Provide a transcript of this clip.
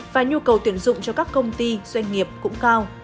và nhu cầu tuyển dụng cho các công ty doanh nghiệp cũng cao